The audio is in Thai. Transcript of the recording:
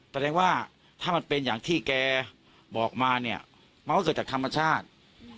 แสดงว่าถ้ามันเป็นอย่างที่แกบอกมาเนี่ยมันก็เกิดจากธรรมชาติ